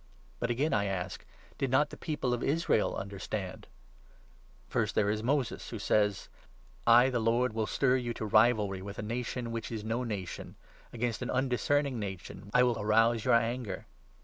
But again I ask ' Did not the people of Israel understand ?' 19 First there is Moses, who says —' I, the Lord, will stir you to rivalry with a nation which is no nation ; Against an undiscerning nation I will arouse your anger.'